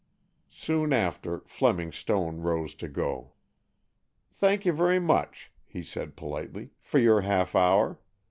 Soon after Fleming Stone rose to go. "Thank you very much," he said politely, "for your half hour.